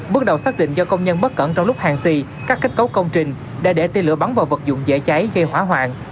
bước đầu xác định do công nhân bất cẩn trong lúc hàng xì các kết cấu công trình đã để tê lửa bắn vào vật dụng dễ cháy gây hỏa hoạn